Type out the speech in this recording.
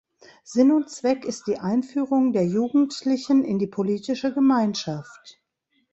Sinn und Zweck ist die Einführung der Jugendlichen in die politische Gemeinschaft.